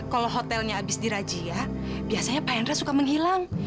kalau hotelnya abis dirajia biasanya pak hendry suka menghilang